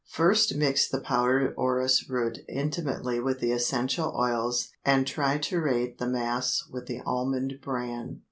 First mix the powdered orris root intimately with the essential oils and triturate the mass with the almond bran.